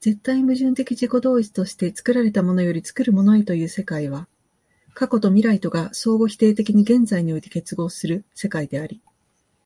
絶対矛盾的自己同一として作られたものより作るものへという世界は、過去と未来とが相互否定的に現在において結合する世界であり、